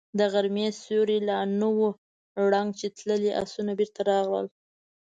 د غرمې سيوری لا نه و ړنګ چې تللي آسونه بېرته راغلل.